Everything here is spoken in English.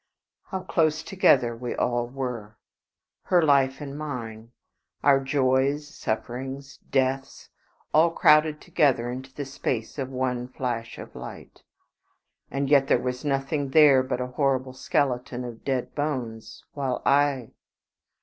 How close together we all were! Her life and mine; our joys, sufferings, deaths all crowded together into the space of one flash of light! And yet there was nothing there but a horrible skeleton of dead bones, while I